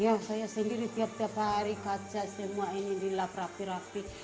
ya saya sendiri tiap tiap hari kaca semua ini dilap rapi rapi